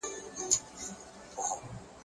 o گراني په تاڅه وسول ولي ولاړې ـ